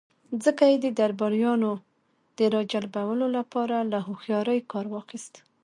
ځکه يې د درباريانو د را جلبولو له پاره له هوښياری کار واخيست.